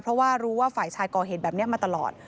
เพราะว่ารู้ว่าฝ่ายชายก่อเหตุแบบนี้มาตลอด